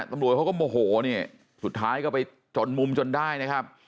ตำรวจเขาก็โมโหเนี่ยสุดท้ายก็ไปจนมุมจนได้นะครับ